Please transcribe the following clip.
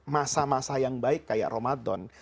masa masa yang baik kayak ramadan